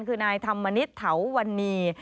คือนายธรรมนิษฐ์เถาวันนี